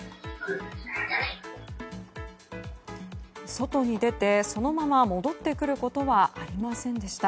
外に出てそのまま戻ってくることはありませんでした。